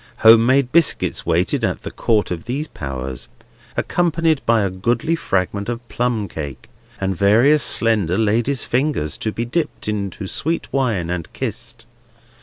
Home made biscuits waited at the Court of these Powers, accompanied by a goodly fragment of plum cake, and various slender ladies' fingers, to be dipped into sweet wine and kissed.